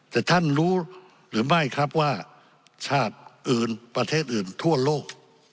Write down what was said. แต่ท่านรู้หรือไม่ครับว่าชาติอื่นประเทศอื่นทั่วโลก